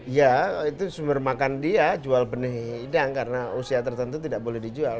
ya itu sumber makan dia jual benih hidang karena usia tertentu tidak boleh dijual